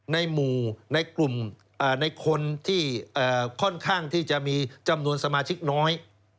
ในหมู่ในกลุ่มในคนที่ค่อนข้างที่จะมีจำนวนสมาชิกน้อย